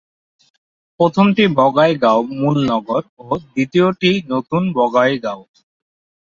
প্রথমটি বঙাইগাঁও মূল নগর ও দ্বিতীয়টি নতুন বঙাইগাঁও।